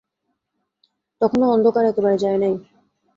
তখনো অন্ধকার একেবারে যায় নাই।